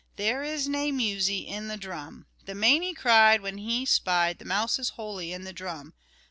There is nae musie in the drum," The manie cried, When he spied The mousie's holie in the drum.